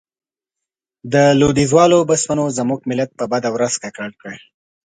د لوېديځوالو بسپنو زموږ ملت په بده ورځ ککړ کړ.